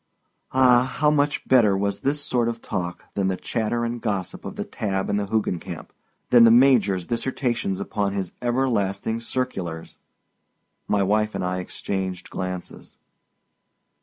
Ah, how much better was this sort of talk than the chatter and gossip of the Tabb and the Hoogencamp—than the Major's dissertations upon his everlasting circulars! My wife and I exchanged glances.